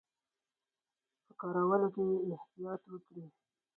په کارولو کې یې احتیاط وکړي.